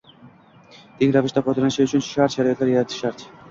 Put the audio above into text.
teng ravishda foydalanishi uchun shart-sharoitlar yaratishi shart.